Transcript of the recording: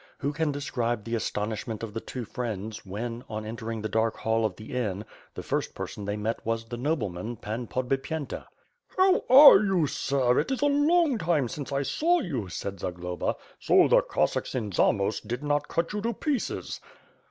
Who can describe the astonishment of the two friends, when, on entering the dark hall of the inn the first person they met was the nobleman, Pan Podbipyenta. "How are you, sir, it is «. long time since I saw you,' said Zagloba. "So the Cossacks in Zamost did not cut you to pieces."